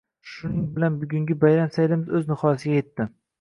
Shuning bilan bugungi bayram saylimiz uz nihoyasiga yetdi.